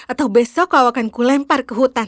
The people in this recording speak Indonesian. atau besok kau akan ku lempar ke hutan